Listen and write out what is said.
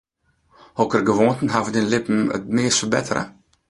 Hokker gewoanten hawwe dyn libben it meast ferbettere?